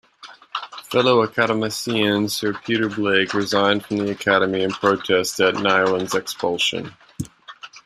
Fellow Academician Sir Peter Blake resigned from the Academy in protest at Neiland's expulsion.